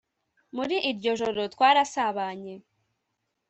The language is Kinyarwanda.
muri iryo joro twarasabanye